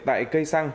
tại cây xăng